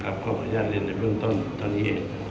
ครับครับขออนุญาตเรียนในเรื่องตอนนี้เอง